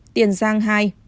tiền giang hai